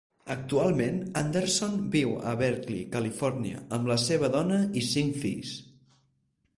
Actualment Anderson viu a Berkeley, Califòrnia, amb la seva dona i cinc fills.